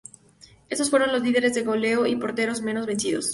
Estos fueron los líderes de goleo y porteros menos vencidos.